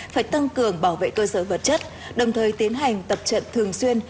phải tăng cường bảo vệ cơ sở vật chất đồng thời tiến hành tập trận thường xuyên